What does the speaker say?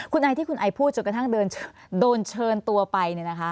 คุณไอที่คุณไอพูดจนกระทั่งโดนเชิญตัวไป